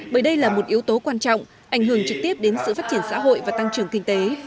bởi đây là một yếu tố quan trọng ảnh hưởng trực tiếp đến sự phát triển xã hội và tăng trưởng kinh tế